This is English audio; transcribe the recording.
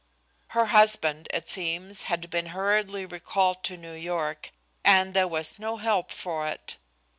Her husband, it seems, had been hurriedly recalled to New York, and there was no help for it.